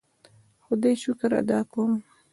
خدای شکر ادا کوم.